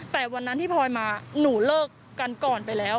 แต่วันนั้นที่พลอยมาหนูเลิกกันก่อนไปแล้ว